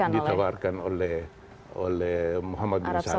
yang ditawarkan oleh muhammad bin sar